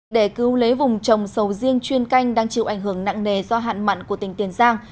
để cứu lấy vùng trồng sầu riêng chuyên canh đang chịu ảnh hưởng nặng nề do hạn mặn của tỉnh tiền giang